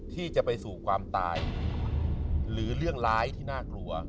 ที่จะไปสู่ความตายหรือเรื่องร้ายที่น่ากลัว